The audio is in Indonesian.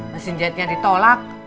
mesin jahitnya ditolak